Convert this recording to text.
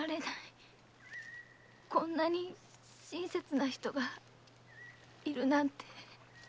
こんなに親切な人がいるなんて。